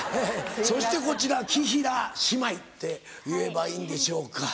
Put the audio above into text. そしてこちら紀平姉妹って言えばいいんでしょうか。